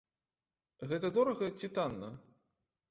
Гэта дорага ці танна?